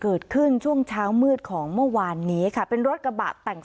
เกิดขึ้นช่วงเช้ามืดของเมื่อวานนี้ค่ะเป็นรถกระบะแต่ง